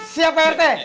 siap pak rt